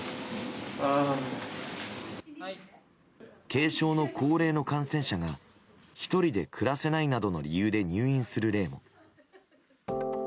軽症の高齢の感染者が１人で暮らせないなどの理由で入院する例も。